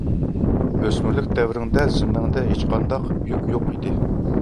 ئۆسمۈرلۈك دەۋرىڭدە زىممەڭدە ھېچقانداق يۈك يوق ئىدى.